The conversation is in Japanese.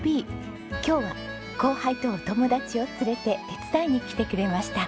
今日は後輩とお友達を連れて手伝いに来てくれました。